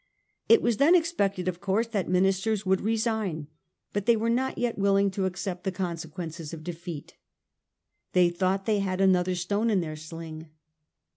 It was then expected, of course, that ministers would resign ; but they were not yet willing to accept the consequences of defeat. They thought they had another stone in their sling.